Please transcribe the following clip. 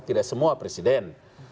tidak semua presiden